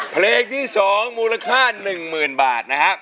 เพลงที่๒มูลค่า๑๐๐๐บาทนะครับ